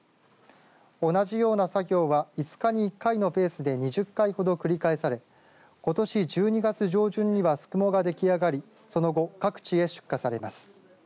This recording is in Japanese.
同じような作業は５日に１回のペースで２０回ほど繰り返されことし１２月上旬にはすくもができ上がりその後、各地へ出荷されます。